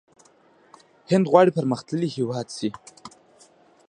هند غواړي پرمختللی هیواد شي.